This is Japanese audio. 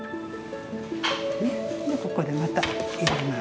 もうここでまたいれます。